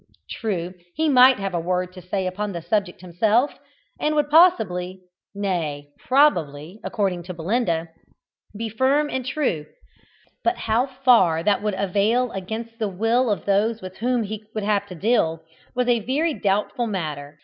True, he might have a word to say upon the subject himself, and would possibly nay, probably, according to Belinda be firm and true, but how far that would avail against the will of those with whom he would have to deal, was a very doubtful matter.